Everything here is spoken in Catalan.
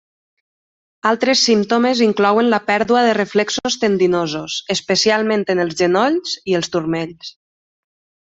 Altres símptomes inclouen la pèrdua de reflexos tendinosos, especialment en els genolls i els turmells.